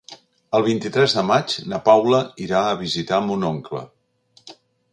El vint-i-tres de maig na Paula irà a visitar mon oncle.